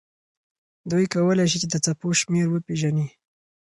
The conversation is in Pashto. دوی کولی شي چې د څپو شمېر وپیژني.